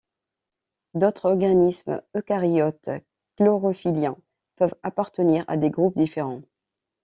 D'autres organismes eucaryotes chlorophylliens peuvent appartenir à des groupes différents.